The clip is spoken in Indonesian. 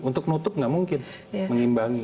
untuk nutup nggak mungkin mengimbangi